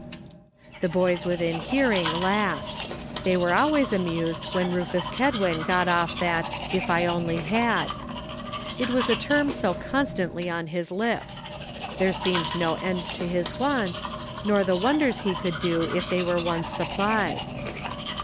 The boys within hearing laughed. They were always amused when Rufus Kedwin got off that "If I only had." It was a term so constantly on his lips. There seemed no end to his wants, nor the wonders he could do if they were once supplied.